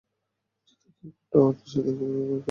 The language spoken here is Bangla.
যে দিকেই ঘণ্টা বাজাব, সেদিকে যাবে, কেমন?